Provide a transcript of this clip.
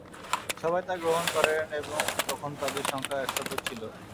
সবাই তা গ্রহণ করেন আর তখন তাঁদের সংখ্যা একশত ছিল।